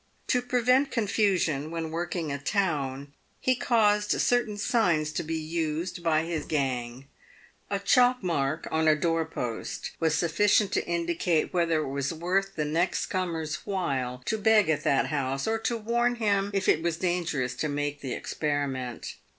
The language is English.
To prevent confusion when working a town, he caused certain signs to be used by his gang. A chalk mark on a doorpost was sufficient to indicate whether it was worth the next comer's while to beg at that house, or to warn him if it was dangerous to make the experiment.